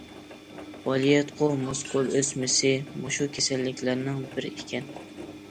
بالىياتقۇ مۇسكۇل ئۆسمىسى مۇشۇ كېسەللىكلەرنىڭ بىرى ئىكەن.